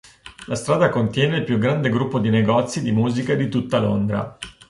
La strada contiene il più grande gruppo di negozi di musica di tutta Londra.